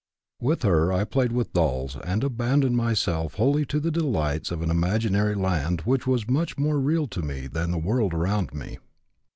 With her I played with dolls and abandoned myself wholly to the delights of an imaginary land which was much more real to me than the world around me.